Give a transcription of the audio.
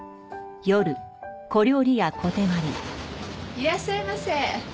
いらっしゃいませ。